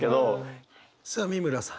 さあ美村さん。